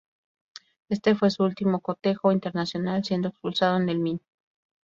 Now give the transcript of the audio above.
Este fue su último cotejo internacional, siendo expulsado en el min.